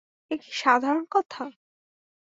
এ কি সাধারণ কথা!